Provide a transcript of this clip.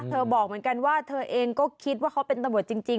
บอกเหมือนกันว่าเธอเองก็คิดว่าเขาเป็นตำรวจจริง